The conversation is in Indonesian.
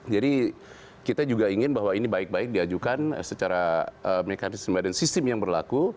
jadi kita juga ingin bahwa ini baik baik diajukan secara mekanisme dan sistem yang berlaku